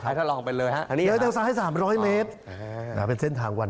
ที่สุดที่สุดที่สุดที่สุด